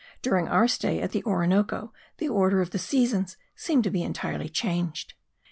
During our stay at the Orinoco the order of the seasons seemed to be entirely changed.